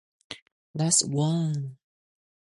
His parents are both Jewish.